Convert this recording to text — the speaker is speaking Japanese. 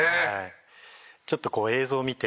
ちょっとこう映像を見て。